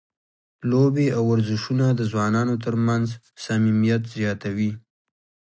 لوبې او ورزشونه د ځوانانو ترمنځ صمیمیت زیاتوي.